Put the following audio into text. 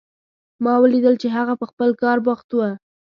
ما ولیدل چې هغه په خپل کار بوخت و